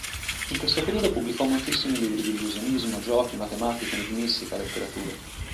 In questo periodo pubblicò moltissimi libri di illusionismo, giochi, matematica, enigmistica, letteratura.